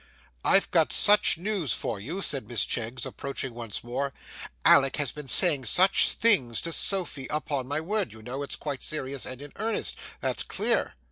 'I've got such news for you,' said Miss Cheggs approaching once more, 'Alick has been saying such things to Sophy. Upon my word, you know, it's quite serious and in earnest, that's clear.